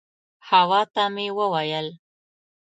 حوا ته مې وویل.